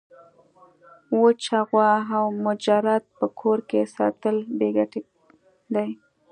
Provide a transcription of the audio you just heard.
وچه غوا او مجرد په کور کي ساتل بې ګټي دي.